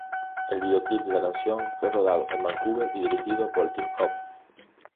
El videoclip de la canción, fue rodado en Vancouver y dirigido por Tim Hope.